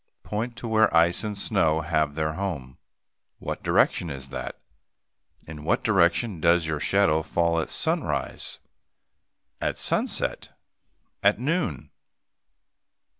Point to where ice and snow have their home. What direction is that? In what direction does your shadow fall at sunrise? At sunset? At noon?